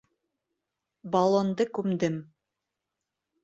Баллонды күмдем.